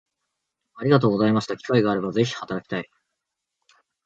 ありがとうございました機会があれば是非働きたい